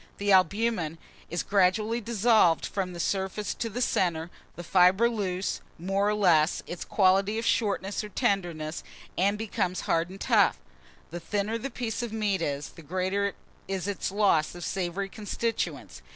The albumen is gradually dissolved from the surface to the centre; the fibre loses, more or less, its quality of shortness or tenderness, and becomes hard and tough: the thinner the piece of meat is, the greater is its loss of savoury constituents.